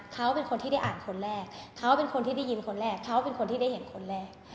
เขาเป็นคนที่ได้อ่านคนแรกเขาเป็นคนที่ได้ยินคนแรกเขาเป็นคนที่ได้เห็นคนแรก